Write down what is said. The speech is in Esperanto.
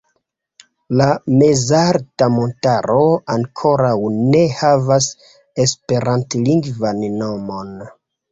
La mezalta montaro ankoraŭ ne havas esperantlingvan nomon.